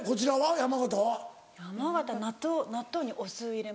山形納豆にお酢入れます。